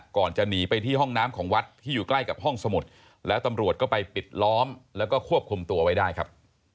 ก่อนจะหนีไปที่ห้องน้ำของวัดที่อยู่ใกล้กับห้องสมุดแล้วตำรวจก็ไปปิดล้อมแล้วก็ควบคุมตัวไว้ได้ครับ